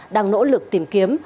đang nỗ lực tìm kiếm